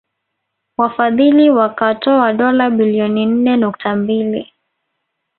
Wafadhili wakatoa dola bilioni nne nukta mbili